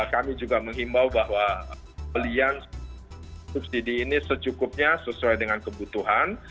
kami juga menghimbau bahwa belian subsidi ini secukupnya sesuai dengan kebutuhan